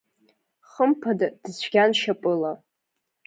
Хымԥада, дыцәгьан шьапыла…